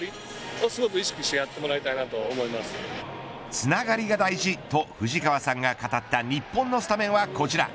つながりが大事と藤川さんが語った日本のスタメンはこちら。